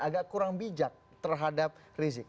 agak kurang bijak terhadap rizik